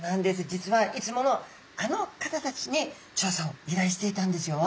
実はいつものあの方たちに調査をいらいしていたんですよ。